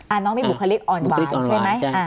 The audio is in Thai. น้องมีบุคลิกอ่อนหวานใช่ไหม